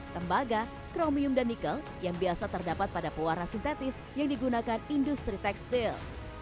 tembaga kromium dan nikel yang biasa terdapat pada pewarna sintetis yang digunakan industri tekstil